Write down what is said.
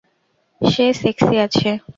সে sexy আছে।